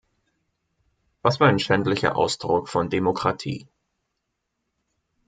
Was für ein schändlicher Ausdruck von Demokratie!